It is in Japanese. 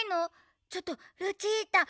ちょっとルチータ！